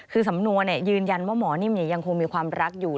คือสำนวนยืนยันว่าหมอนิ่มยังคงมีความรักอยู่